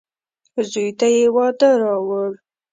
زوی ته يې واده راووړ.